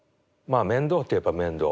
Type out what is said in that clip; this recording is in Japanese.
まあ面倒といえば面倒。